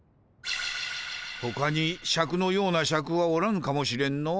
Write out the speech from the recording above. ほかにシャクのようなシャクはおらぬかもしれんの。